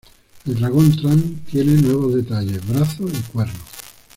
El dragón Tran tiene nuevos detalles: brazos y cuernos.